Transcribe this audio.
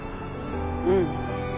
うん。